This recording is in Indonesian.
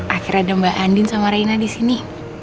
akhir ada mbak andin sama reina disini